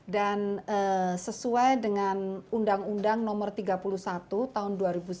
dan sesuai dengan undang undang no tiga puluh satu tahun dua ribu sembilan